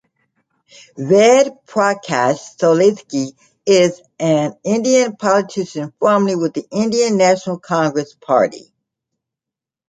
Ved Prakash Solanki is an Indian politician formerly with the Indian National Congress party.